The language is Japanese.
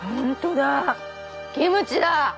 本当だキムチだ。